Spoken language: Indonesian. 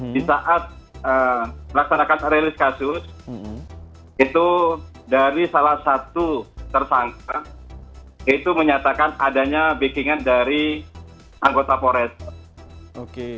di saat melaksanakan relis kasus itu dari salah satu tersangka itu menyatakan adanya bakingan dari anggota forester